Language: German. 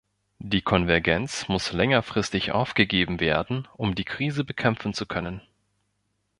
Die Konvergenz muss längerfristig aufgegeben werden, um die Krise bekämpfen zu können.